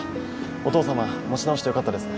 お父様持ち直してよかったですね。